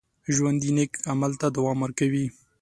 ژوندي نیک عمل ته دوام ورکوي